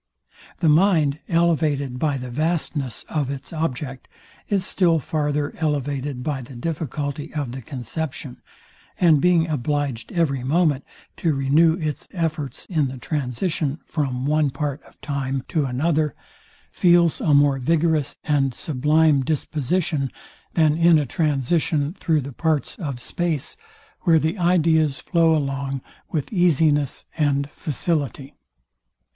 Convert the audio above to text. The mind, elevated by the vastness of its object, is still farther elevated by the difficulty of the conception; and being obliged every moment to renew its efforts in the transition from one part of time to another, feels a more vigorous and sublime disposition, than in a transition through the parts of space, where the ideas flow along with easiness and facility.